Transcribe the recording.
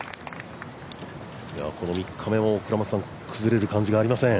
この３日目も崩れる感じがありません。